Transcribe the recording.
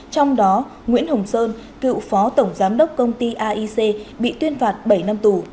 trong đó nguyễn hồng sơn cựu phó tổng giám đốc công ty aic bị tuyên phạt bảy năm tù